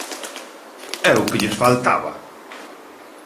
¡É o que lles faltaba!